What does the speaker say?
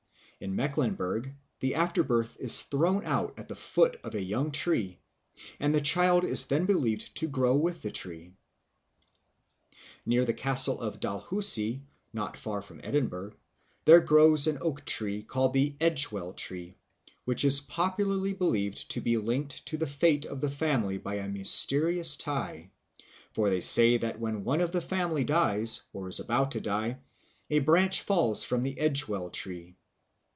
In Mecklenburg the afterbirth is thrown out at the foot of a young tree, and the child is then believed to grow with the tree. Near the Castle of Dalhousie, not far from Edinburgh, there grows an oak tree, called the Edgewell Tree, which is popularly believed to be linked to the fate of the family by a mysterious tie; for they say that when one of the family dies, or is about to die, a branch falls from the Edgewell Tree.